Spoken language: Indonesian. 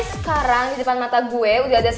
sekarang di depan mata gue udah ada si cewek asli